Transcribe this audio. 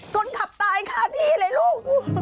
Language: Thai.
คนขับตายคาที่เลยลูก